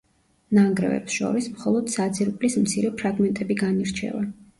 ნანგრევებს შორის მხოლოდ საძირკვლის მცირე ფრაგმენტები განირჩევა.